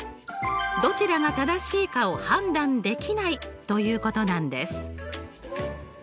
どちらが正しいかを判断できないということなんです。